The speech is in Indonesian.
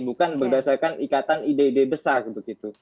bukan berdasarkan ikatan ide ide besar begitu